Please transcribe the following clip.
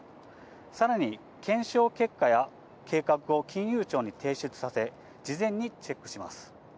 さらに検証結果や、計画を金融庁に提出させ、事前にチェックします。